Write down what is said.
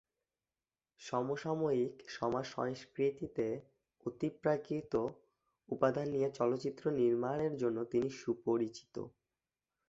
সমসাময়িক সমাজ সংস্কৃতিতে অতিপ্রাকৃত উপাদান নিয়ে চলচ্চিত্র নির্মাণের জন্য তিনি সুপরিচিত।